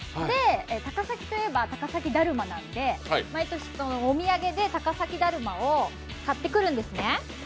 で、高崎といえば高崎ダルマなんで毎年、お土産で高崎だるまを買ってくるんですね。